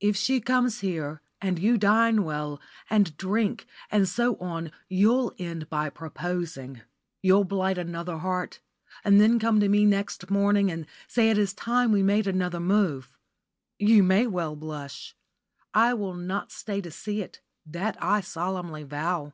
"If she comes here, and you dine well, and drink, and so on, you'll end by proposing. You'll blight another heart, and then come to me next morning, and say it is time we made another move. You may well blush. I will not stay to see it, that I solemnly vow.